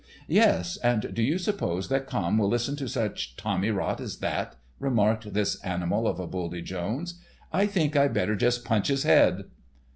"Yes, and do you suppose that Camme will listen to such tommy rot as that?" remarked "This Animal of a Buldy Jones." "I think I'd better just punch his head."